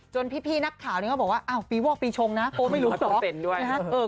พี่นักข่าวนี้เขาบอกว่าอ้าวปีวอกปีชงนะโป๊ไม่รู้เหรอ